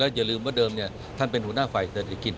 อย่าลืมว่าเดิมท่านเป็นหัวหน้าฝ่ายเศรษฐกิจ